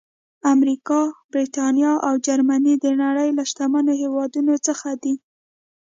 امریکا، برېټانیا او جرمني د نړۍ له شتمنو هېوادونو څخه دي.